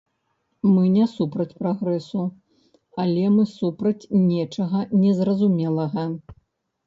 Мы не супраць прагрэсу, але мы супраць нечага незразумелага.